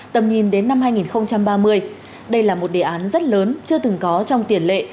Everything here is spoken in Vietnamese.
tầm nhìn đến năm hai nghìn ba mươi đây là một đề án rất lớn chưa từng có trong tiền lệ